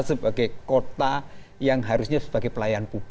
sebagai kota yang harusnya sebagai pelayan publik